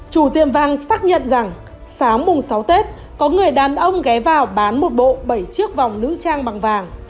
chủ tiệm vàng xác nhận rằng sáng mùng sáu tết có người đàn ông ghé vào bán một bộ bảy chiếc vòng nữ trang bằng vàng